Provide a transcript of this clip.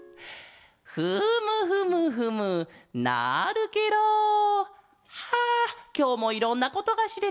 フムフムフムなるケロ！はあきょうもいろんなことがしれた。